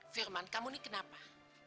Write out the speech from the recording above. firman kamu ini kenapa